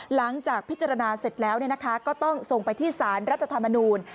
หลังจากพิจารณาเสร็จแล้วก็ต้องส่งไปที่สารรัฐธรรมนูล